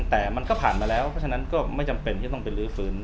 แต่มันก็ผ่านมาแล้วเพราะฉะนั้นก็ไม่จำเป็นที่ต้องไปลื้อฟื้น